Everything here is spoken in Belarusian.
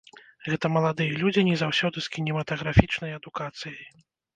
Гэта маладыя людзі не заўсёды з кінематаграфічнай адукацыяй.